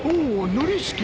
ノリスケ。